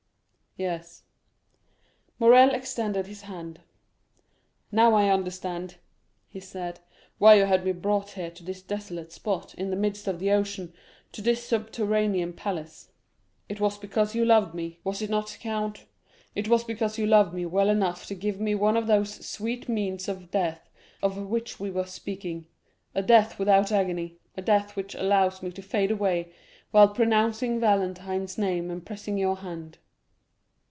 "Yes." Morrel extended his hand. "Now I understand," he said, "why you had me brought here to this desolate spot, in the midst of the ocean, to this subterranean palace; it was because you loved me, was it not, count? It was because you loved me well enough to give me one of those sweet means of death of which we were speaking; a death without agony, a death which allows me to fade away while pronouncing Valentine's name and pressing your hand."